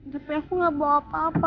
tapi aku gak bawa apa apa